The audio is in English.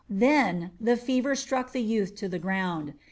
Then the fever struck the youth to the ground.